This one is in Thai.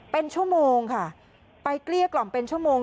เป็นชั่วโมงค่ะไปเกลี้ยกล่อมเป็นชั่วโมง